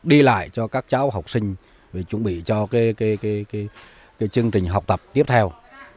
đi lại cho các cháu học sinh chuẩn bị cho chương trình học tập tiếp theo